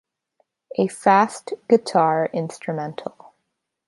A fast guitar instrumental.